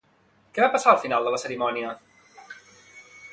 Què va passar al final de la cerimònia?